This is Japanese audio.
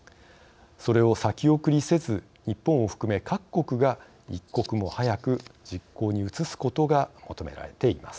それを先送りせず日本を含め各国が一刻も早く実行に移すことが求められています。